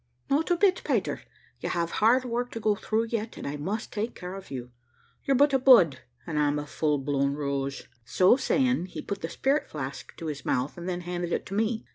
"Not a bit, Peter: you have hard work to go through yet, and I must take care of you. You're but a bud, and I'm a full blown rose." So saying, he put the spirit flask to his mouth, and then handed it to me.